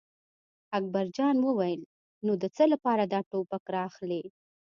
اکبر جان وویل: نو د څه لپاره دا ټوپک را اخلې.